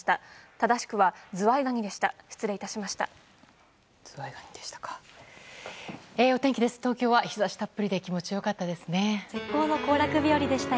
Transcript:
正しくはズワイガニでした。